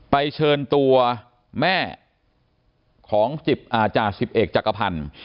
ไปเชิญตัวแม่ของจสิบเอกจักรพรรณ